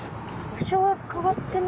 場所は変わってない？